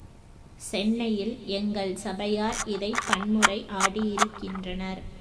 சென்னையில் எங்கள் சபையார் இதைப் பன்முறை ஆடியிருக்கின்றனர்.